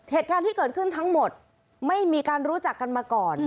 เหตุการณ์ที่เกิดขึ้นทั้งหมดไม่มีการรู้จักกันมาก่อน